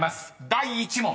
第１問］